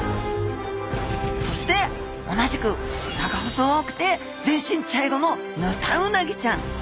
そして同じく長細くて全身茶色のヌタウナギちゃん！